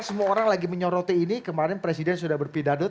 semua orang lagi menyoroti ini kemarin presiden sudah berpidadut